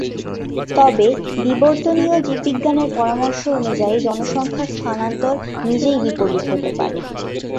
তবে, বিবর্তনীয় জীববিজ্ঞানের পরামর্শ অনুযায়ী জনসংখ্যার স্থানান্তর নিজেই বিপরীত হতে পারে।